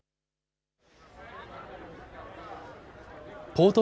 ポート